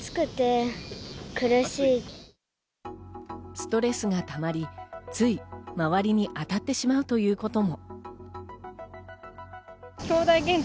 ストレスがたまり、つい周りにあたってしまうということも。